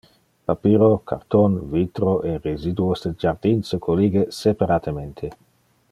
Papiro, carton, vitro e residuos de jardin se collige separatemente.